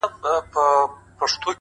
هغې ليونۍ بيا د غاړي هار مات کړی دی،